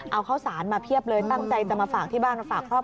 เอาข้าวสารมาเพียบเลยตั้งใจจะมาฝากที่บ้านมาฝากครอบครัว